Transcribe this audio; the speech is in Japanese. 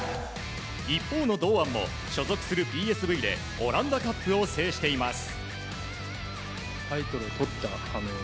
一方の堂安も所属するＰＳＶでオランダカップを制しています。